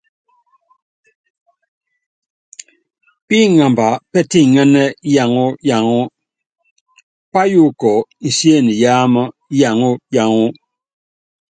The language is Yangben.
Píŋamba pɛ́tiŋɛ́nɛ́ yaŋɔ yaŋɔ, payuukɔ insiene yáámá yaŋɔ yaŋɔ.